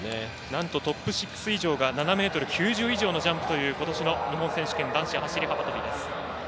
なんとトップ６以上が７ｍ９０以上のジャンプということしの日本選手権男子走り幅跳び。